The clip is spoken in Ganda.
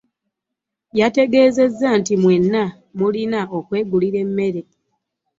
Yategeezezza nti mwenna mulina okwegulira emmere.